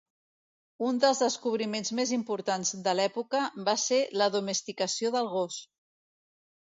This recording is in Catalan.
Un dels descobriments més importants de l'època va ser la domesticació del gos.